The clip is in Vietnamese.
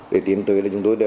để tiến tới chúng tôi